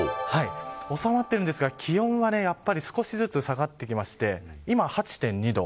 収まってるんですが気温は少しずつ下がってきて今、８．２度。